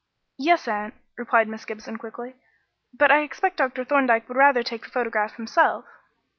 "Yes, aunt," replied Miss Gibson quickly, "but I expect Dr. Thorndyke would rather take the photograph himself."